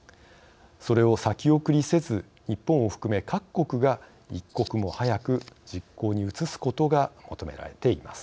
それを先送りせず、日本を含め各国が一刻も早く実行に移すことが求められています。